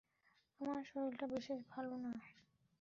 আমার শরীরটা বিশেষ ভালো না।